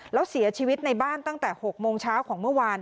แล้วเสียชีวิตในบ้านตั้งแต่๖โมงเช้าของเมื่อวาน